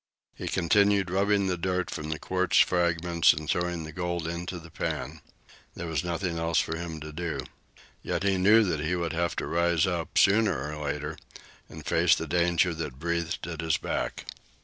He continued rubbing the dirt from the quartz fragments and throwing the gold into the pan. There was nothing else for him to do. Yet he knew that he would have to rise up, sooner or later, and face the danger that breathed at his back.